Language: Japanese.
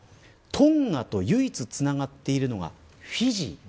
トンガと唯一つながっているのがフィジー。